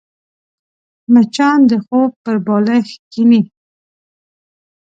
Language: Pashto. مچان د خوب پر بالښت کښېني